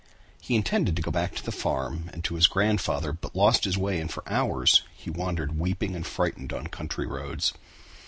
He intended to go back to the farm and to his grandfather, but lost his way and for hours he wandered weeping and frightened on country roads.